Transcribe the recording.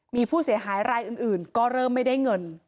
มีผู้เสียหายรายอื่นก็เริ่มไม่ได้เงิน